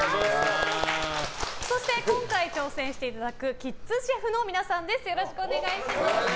そして、今回挑戦していただくキッズシェフの皆さんです。